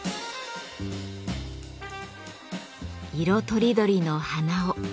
色とりどりの鼻緒。